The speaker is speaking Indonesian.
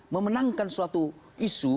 memenangkan suatu isu